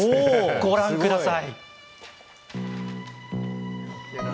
ご覧ください。